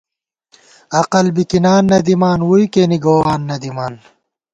عقل بِکِنان نہ دِمان ووئے کېنے گووان نہ دِمان